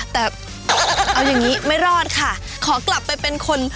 แต่เอาอย่างนี้ไม่รอดค่ะขอกลับไปเป็นคน